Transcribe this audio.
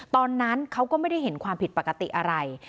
ตอนนั้นเขาก็ไม่ได้เห็นความผิดปกติอะไร